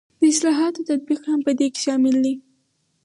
د اصلاحاتو تطبیق هم په دې کې شامل دی.